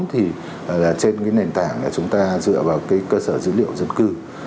thì trên nền tảng chúng ta dựa vào cơ sở dữ liệu dân cư